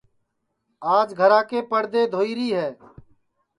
آج گھرا کے پڑدے دھوئیری ہے